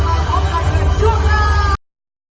มันเป็นเมื่อไหร่แล้ว